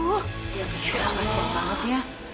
ya aku siap banget ya